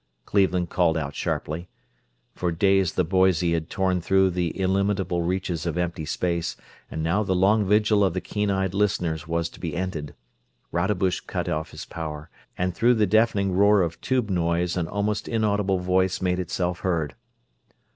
Cleveland called out, sharply. For days the Boise had torn through the illimitable reaches of empty space, and now the long vigil of the keen eared listeners was to be ended. Rodebush cut off his power, and through the deafening roar of tube noise an almost inaudible voice made itself heard.